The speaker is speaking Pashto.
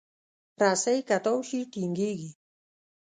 رسۍ که تاو شي، ټینګېږي.